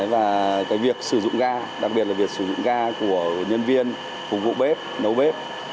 và cái việc sử dụng ga đặc biệt là việc sử dụng ga của nhân viên phục vụ bếp nấu bếp